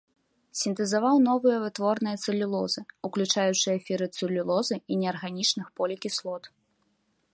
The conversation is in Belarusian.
Сінтэзаваў новыя вытворныя цэлюлозы, уключаючы эфіры цэлюлозы і неарганічных полікіслот.